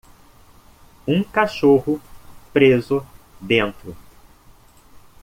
um cachorro preso dentro